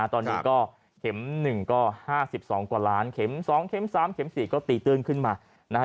ตอนนี้ก็เข็ม๑ก็๕๒กว่าล้านเข็ม๒เข็ม๓เข็ม๔ก็ตีตื้นขึ้นมานะฮะ